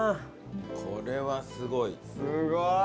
これはすごい。